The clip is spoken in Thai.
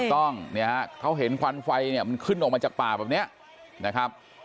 ถูกต้องเขาเห็นควันไฟมันขึ้นออกมาจากป่าแบบนี้นะครับ